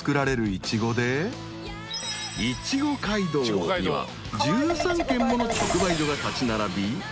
［いちご街道には１３軒もの直売所が立ち並び